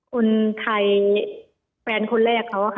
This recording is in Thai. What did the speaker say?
คนไทยแฟนคนแรกเขาค่ะ